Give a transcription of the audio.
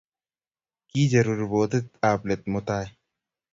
Kicheru ripotit ap let mutai.